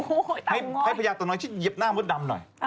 อู๊ยต่องอยให้พระยาต่องอยเหยียบหน้าหมดดำหน่อย